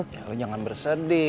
ya lo jangan bersedih